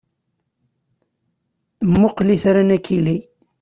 Mmuqqel itran a Kelly!